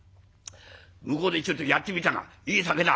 向こうでちょっとやってみたがいい酒だ」。